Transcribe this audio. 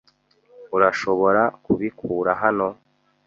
Urashobora kubikura hano?